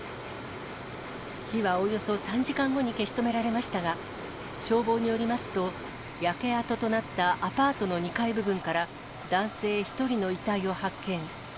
火はおよそ３時間後に消し止められましたが、消防によりますと、焼け跡となったアパートの２階部分から、男性１人の遺体を発見。